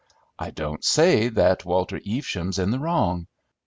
I don't say that Walter Evesham's in the wrong.